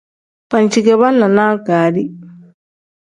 Banci ge banlanaa gaari.